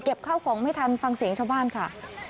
ข้าวของไม่ทันฟังเสียงชาวบ้านค่ะ